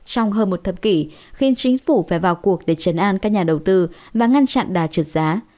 trong hơn một thập kỷ khiến chính phủ phải vào cuộc để chấn an các nhà đầu tư và ngăn chặn đà trượt giá